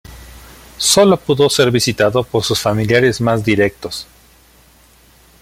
Sólo pudo ser visitado por sus familiares más directos.